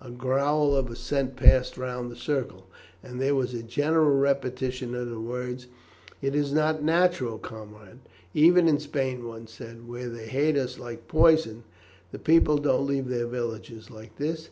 A growl of assent passed round the circle, and there was a general repetition of the words, "It is not natural, comrade. Even in Spain," one said, "where they hate us like poison, the people don't leave their villages like this.